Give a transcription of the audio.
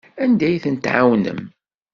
Anda ay tent-tɛawnem?